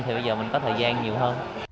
thì bây giờ mình có thời gian nhiều hơn